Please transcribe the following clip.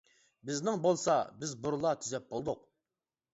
بىزنىڭ بولسا بىز بۇرۇنلا تۈزەپ بولدۇق.